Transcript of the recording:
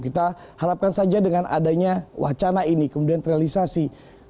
kita harapkan saja dengan adanya wacana ini kemudian terrealisasi